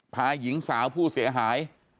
หญิงสาวผู้เสียหาย